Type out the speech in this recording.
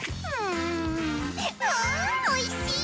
んおいしい！